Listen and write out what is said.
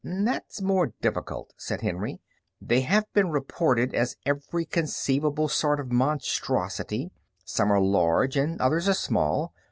"That's more difficult," said Henry. "They have been reported as every conceivable sort of monstrosity. Some are large and others are small.